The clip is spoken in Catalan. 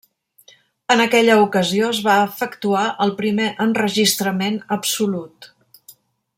En aquella ocasió es va efectuar el primer enregistrament absolut.